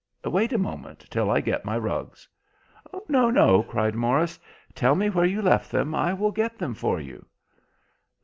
Wait a moment till I get my rugs." "No, no," cried Morris, "tell me where you left them. I will get them for you."